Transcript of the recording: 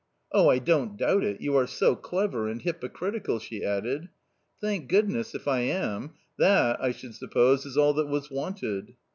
"Oh, I don't doubt it; you are so clever — and hypocriti cal !" she added. " Thank goodness, if I am ; that, I should suppose, is all that was wanted."